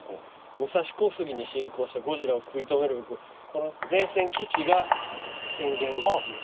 武蔵小杉に侵攻したゴジラを食い止めるべくこの前線基地が浅間神社。